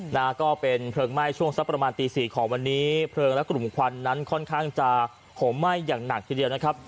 นะฮะก็เป็นเพลิงไหม้ช่วงสักประมาณตีสี่ของวันนี้เพลิงและกลุ่มควันนั้นค่อนข้างจะห่มไหม้อย่างหนักทีเดียวนะครับ